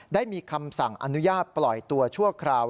ได้มีคำสั่งอนุญาตปล่อยตัวชั่วคราว